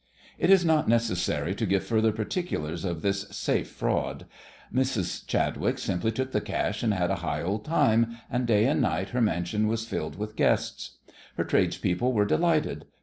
It is not necessary to give further particulars of this "safe" fraud. Mrs. Chadwick simply took the cash, and had a "high old time," and day and night her mansion was filled with guests. Her tradespeople were delighted.